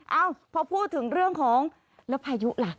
เอ้าพอพูดถึงเรื่องของแล้วพายุล่ะ